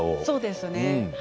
そうですね。